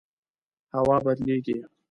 هوا بدلیږي